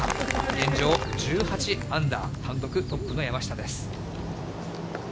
現状１８アンダー、単独トップの山下です。